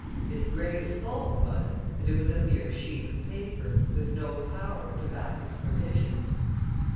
Its greatest fault was, that it was a mere sheet of paper, with no power to back its provisions.